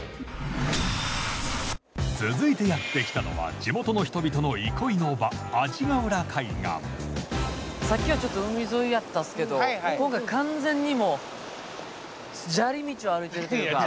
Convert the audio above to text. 続いてやって来たのは地元の人々の憩いの場阿字ヶ浦海岸さっきはちょっと海沿いやったっすけどここが完全にもう砂利道を歩いてるというか。